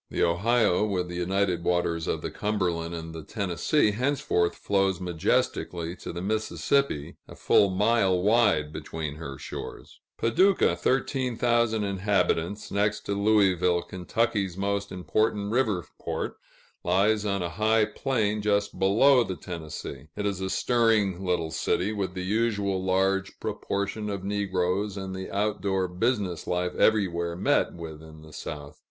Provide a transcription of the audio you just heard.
The Ohio, with the united waters of the Cumberland and the Tennessee, henceforth flows majestically to the Mississippi, a full mile wide between her shores. Paducah (13,000 inhabitants), next to Louisville Kentucky's most important river port, lies on a high plain just below the Tennessee. It is a stirring little city, with the usual large proportion of negroes, and the out door business life everywhere met with in the South.